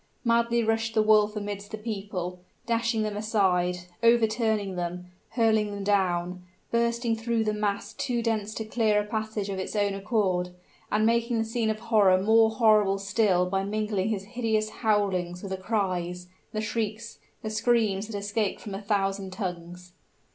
Madly rushed the wolf amidst the people, dashing them aside, overturning them, hurling them down, bursting through the mass too dense to clear a passage of its own accord, and making the scene of horror more horrible still by mingling his hideous howlings with the cries the shrieks the screams that escaped from a thousand tongues.